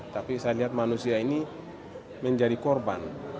tapi saya lihat manusia ini menjadi korban